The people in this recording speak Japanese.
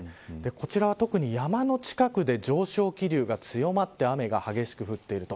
こちらは特に山の近くで上昇気流が強まって雨が激しく降っている。